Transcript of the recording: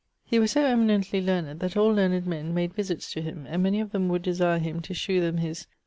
He was so eminently learned that all learned men made visits to him, and many of them would desire him to shew them his